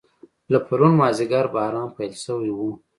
له پرون مازیګر باران پیل شوی و.